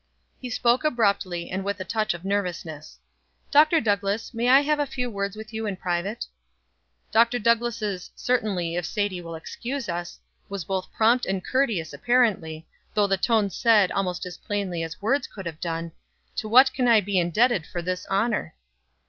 He spoke abruptly and with a touch of nervousness: "Dr. Douglass, may I have a few words with you in private?" Dr. Douglass' "Certainly, if Miss Sadie will excuse us," was both prompt and courteous apparently, though the tone said almost as plainly as words could have done, "To what can I be indebted for this honor?"